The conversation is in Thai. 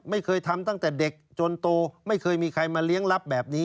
ไม่เคยทำตั้งแต่เด็กจนโตไม่เคยมีใครมาเลี้ยงรับแบบนี้